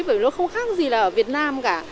bởi nó không khác gì là ở việt nam cả